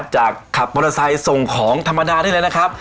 ขับมอเตอร์ไซค์ส่งของธรรมดานี่เลยนะครับ